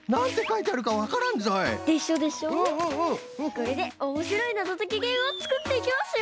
これでおもしろいなぞときゲームをつくっていきますよ！